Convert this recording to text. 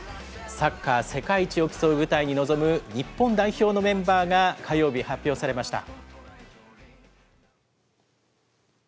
サッカー世界一を競う舞台に臨む日本代表のメンバーが、火曜日発表されました。